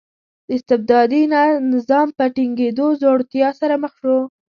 د استبدادي نظام په ټینګېدو ځوړتیا سره مخ شو.